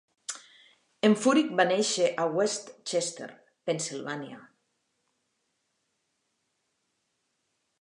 En Furyk va néixer a West Chester, Pennsilvània.